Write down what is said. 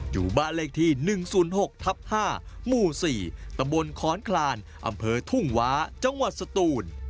อยู่บ้านเลขที่๑๐๖ทับ๕หมู่๔ตำบลค้อนคลานอำเภอทุ่งว้าจังหวัดสตูน